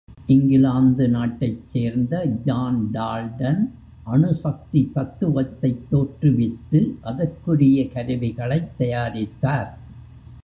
இங்கிலாந்து நாட்டைச் சேர்ந்த John Dalton, அணு சக்தி தத்துவத்தைத் தோற்றுவித்து, அதற்குரிய கருவிகளைத் தயாரித்தார்.